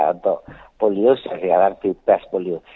untuk polio sudah sekarang bebas polio